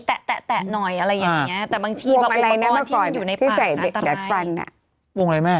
แตะหน่อยอะไรอย่างนี้แต่บางทีหักประกอบที่อยู่ในปากตาตรายใส่เหล็กดัดฟันอะ